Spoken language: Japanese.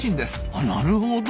あなるほど。